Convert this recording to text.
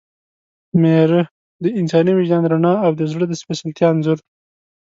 میره – د انساني وجدان رڼا او د زړه د سپېڅلتیا انځور